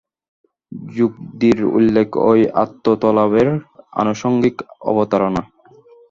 যোগাদির উল্লেখ ঐ আত্মতত্ত্বলাভের আনুষঙ্গিক অবতারণা।